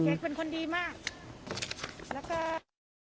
แล้วก็เอาปืนยิงจนตายเนี่ยมันก็อาจจะเป็นไปได้จริง